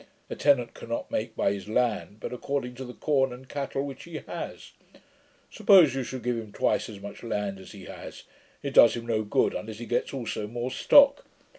A tenant cannot make by his land, but according to the corn and cattle which he has. Suppose you should give him twice as much land as he has, it does him no good, unless he gets also more stock.